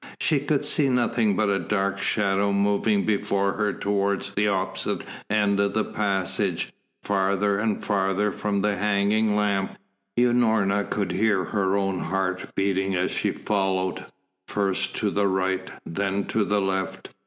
She could see nothing but a dark shadow moving before her towards the opposite end of the passage, farther and farther from the hanging lamp. Unorna could hear her own heart beating as she followed, first to the right, then to the left.